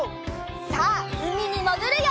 さあうみにもぐるよ！